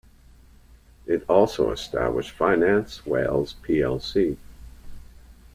It also established Finance Wales plc.